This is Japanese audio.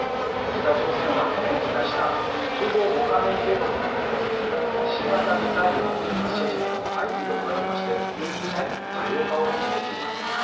北朝鮮は去年、打ち出した国防５か年計画に基づき新型ミサイルの発射実験を相次いで行っていてミサイルの多様化を進めています。